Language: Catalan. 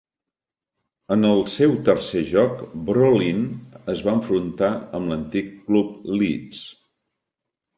En el seu tercer joc, Brolin es va enfrontar amb l'antic club Leeds.